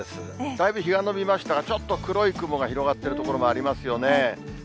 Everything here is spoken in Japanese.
だいぶ日が延びましたが、ちょっと黒い雲が広がってる所もありますよね。